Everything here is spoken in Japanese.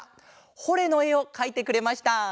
「ホ・レッ！」のえをかいてくれました。